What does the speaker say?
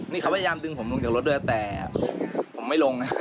นี่เขาพยายามดึงผมลงจากรถด้วยแต่ผมไม่ลงนะ